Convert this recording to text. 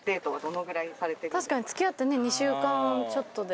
確かに付き合ってね２週間ちょっとで。